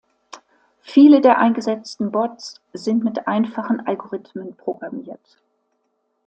Viele der eingesetzten Bots sind mit einfachen Algorithmen programmiert.